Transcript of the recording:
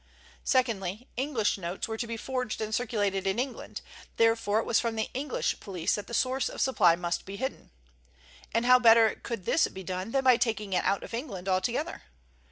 Secondly, English notes were to be forged and circulated in England, therefore it was from the English police that the source of supply must be hidden. And how better could this be done than by taking it out of England altogether?